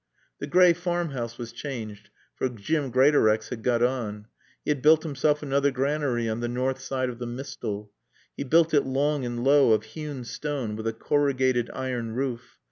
The gray Farm house was changed, for Jim Greatorex had got on. He had built himself another granary on the north side of the mistal. He built it long and low, of hewn stone, with a corrugated iron roof.